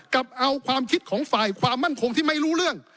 กับเอาความคิดของฝ่ายความมั่นคงที่ไม่รู้เรื่อง